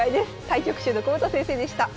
対局中の窪田先生でした。